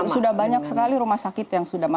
oh itu sudah banyak sekali rumah sakit yang sudah banyak